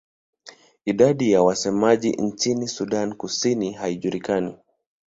Idadi ya wasemaji nchini Sudan Kusini haijulikani.